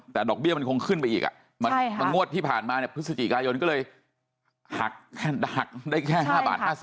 แต่ดอกเบี้ยมันคงขึ้นไปอีกงวดที่ผ่านมาพฤศจิกายนก็เลยหักได้แค่๕บาท๕๐